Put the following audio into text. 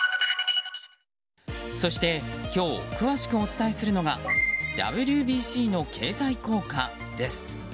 そして、今日詳しくお伝えするのがＷＢＣの経済効果です。